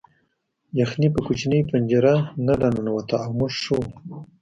یخني په کوچنۍ پنجره نه راننوته او موږ ښه وو